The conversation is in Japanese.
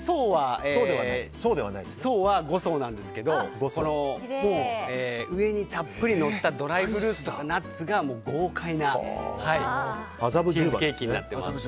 層は５層なんですけど上にたっぷりのったドライフルーツとかナッツが豪快なチーズケーキになっています。